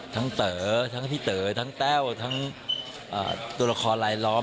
เต๋อทั้งพี่เต๋อทั้งแต้วทั้งตัวละครลายล้อม